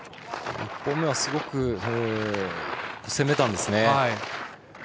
１本目はすごく攻めたんですね。